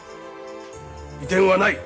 移転はない。